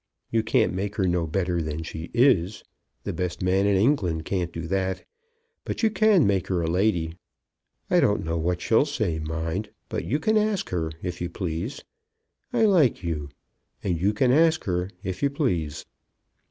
You can't make her no better than she is. The best man in England can't do that. But you can make her a lady. I don't know what she'll say, mind; but you can ask her, if you please. I like you, and you can ask her, if you please.